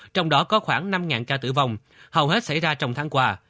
trong đó có khoảng năm ca tử vong hầu hết xảy ra trong tháng qua